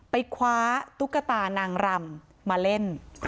ไปคว้าตุ๊กตานางรำมาเล่น